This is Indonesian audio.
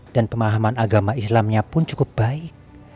dan pemahaman agama islamnya pun cukup baik